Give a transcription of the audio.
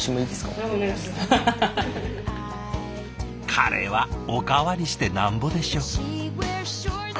カレーはおかわりしてなんぼでしょ。